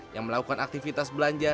yang melakukan aktivitas belanja